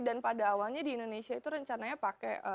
pada awalnya di indonesia itu rencananya pakai